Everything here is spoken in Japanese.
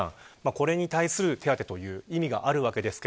これに対する手当という意味があります。